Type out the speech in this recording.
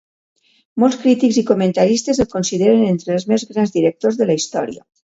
Molts crítics i comentaristes el consideren entre els més grans directors de la història.